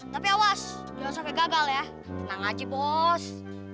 tapi awas jangan sampai gagal ya tenang aja bos